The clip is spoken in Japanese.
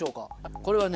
これはね